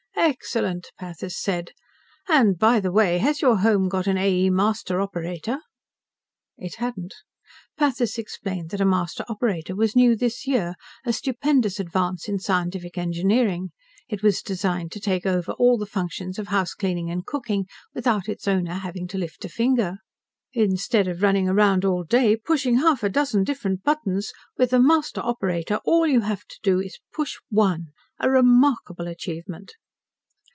"Excellent!" Pathis said. "And by the way, has your home got an A. E. Master operator?" It hadn't. Pathis explained that a Master operator was new this year, a stupendous advance in scientific engineering. It was designed to take over all the functions of housecleaning and cooking, without its owner having to lift a finger. "Instead of running around all day, pushing half a dozen different buttons, with the Master operator all you have to do is push one! A remarkable achievement!"